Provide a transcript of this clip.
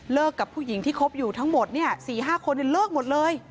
กับผู้หญิงที่คบอยู่ทั้งหมด๔๕คนเลิกหมดเลย